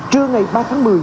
trưa ngày ba tháng một mươi